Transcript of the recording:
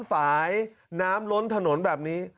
ฝ่ายน้ำล้นถนนแบบนี้